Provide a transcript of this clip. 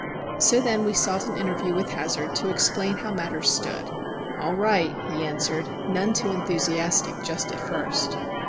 _" So then we sought an interview with Hazard to explain how matters stood. "All right," he answered, none too enthusiastic just at first.